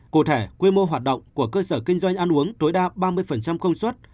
cụ thể quy mô hoạt động của cơ sở kinh doanh ăn uống tối đa ba mươi không xuất